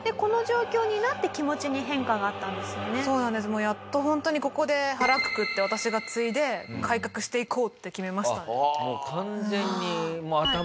もうやっとホントにここで腹くくって私が継いで改革していこうって決めましたね。